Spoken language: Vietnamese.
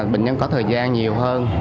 bệnh nhân có thời gian nhiều hơn